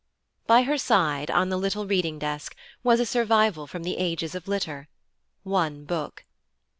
By her side, on the little reading desk, was a survival from the ages of litter one book.